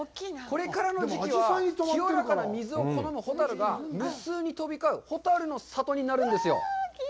これからの時期は清らかな水を好むホタルが無数に飛び交うホタルの里になるんですよ。